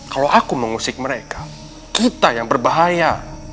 kalau aku mengusik mereka kita yang berbahaya